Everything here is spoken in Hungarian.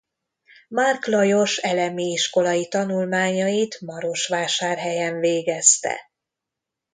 Márk Lajos elemi iskolai tanulmányait Marosvásárhelyen végezte.